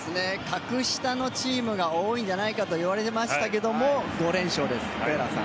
格下のチームが多いんじゃないかと言われていましたけれども、５連勝です。